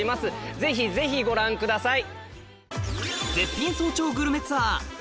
ぜひぜひご覧ください。